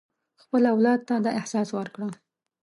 خپل اولاد ته دا احساس ورکړه.